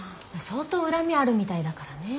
相当恨みあるみたいだからね。